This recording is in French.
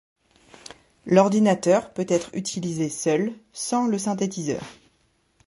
L'ordinateur peut être utilisé seul, sans le synthétiseur.